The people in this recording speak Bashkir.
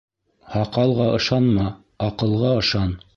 Һаҡалға ышанма, аҡылға ышан.